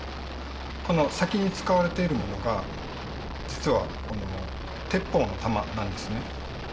この先に使われているものが実は鉄砲の弾なんですね。